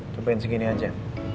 cobain segini aja